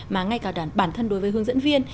mà ngay cả bản thân đối với hướng dẫn viên